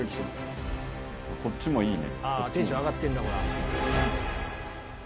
こっちもいいね。